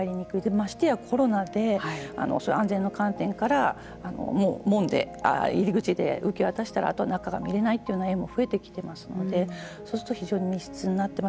ましてやコロナで安全の観点から入り口で受け渡したらあとは中が見れないという園も増えてきていますのでそうすると非常に密室になっています。